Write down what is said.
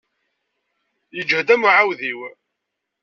Yeǧhed am uɛewdiw.